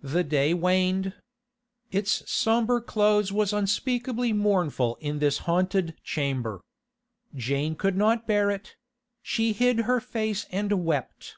The day waned. Its sombre close was unspeakably mournful in this haunted chamber. Jane could not bear it; she hid her face and wept.